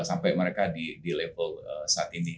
sampai mereka di level saat ini